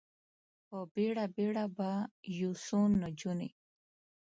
په بیړه، بیړه به یو څو نجونې،